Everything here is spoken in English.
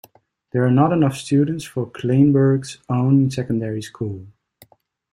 There are not enough students for Kleinburg's own secondary school.